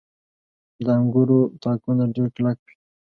• د انګورو تاکونه ډېر کلک وي.